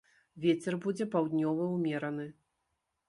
Вецер будзе паўднёвы ўмераны.